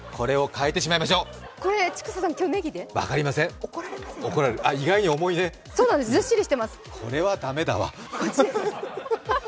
これは駄目だわ。